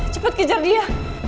cepet kejar dia